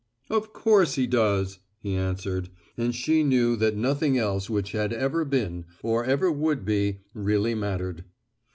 "Of course he does," he answered, and she knew that nothing else which had ever been or ever would be really mattered.